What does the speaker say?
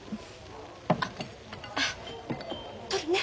あっ取るね。